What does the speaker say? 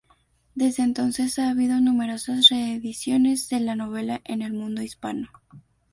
Desde entonces, ha habido numerosas reediciones de la novela en el mundo hispano.